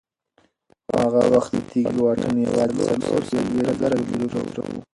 هغه وخت د تېږې واټن یوازې څلور څلوېښت زره کیلومتره و.